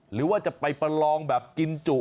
หรือว่าจะไปประลองแบบกินจุ